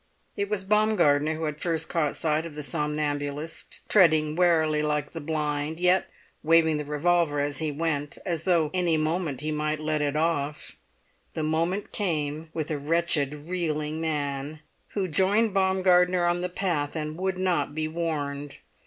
It was Baumgartner who had first caught sight of the somnambulist, treading warily like the blind, yet waving the revolver as he went, as though any moment he might let it off. The moment came with a wretched reeling man who joined Baumgartner on the path, and would not be warned.